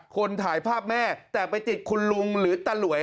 คนถ่ายภาพแม่แต่ไปติดคุณลุงหรือตาหลวย